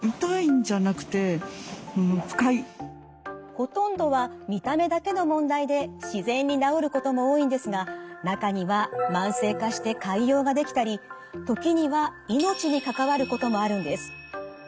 ほとんどは見た目だけの問題で自然に治ることも多いんですが中には慢性化して潰瘍が出来たり時には命に関わることもあるんです。